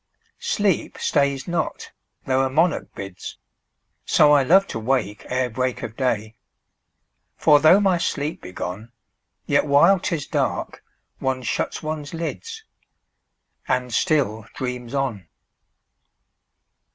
10 Sleep stays not, though a monarch bids: So I love to wake ere break of day: For though my sleep be gone, Yet while 'tis dark, one shuts one's lids, And still dreams on.